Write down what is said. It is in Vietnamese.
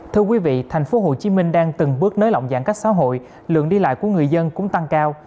thưa quý vị tp hcm đang từng bước nới lỏng giãn cách xã hội lượng đi lại của người dân cũng tăng cao